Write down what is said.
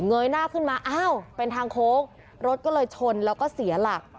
ยหน้าขึ้นมาอ้าวเป็นทางโค้งรถก็เลยชนแล้วก็เสียหลัก